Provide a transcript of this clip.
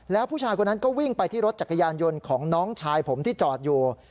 แล้วผู้ชายคนนั้นก็วิ่งไปที่รถจักรยานยนต์ของน้องชายผมที่จอดอยู่